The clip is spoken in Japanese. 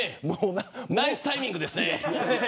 ナイスタイミングですね。